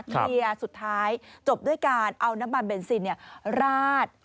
เคลียร์สุดท้ายจบด้วยการเอาน้ำมันเบนซินราด